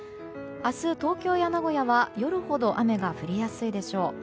明日、東京や名古屋は夜ほど雨が降りやすいでしょう。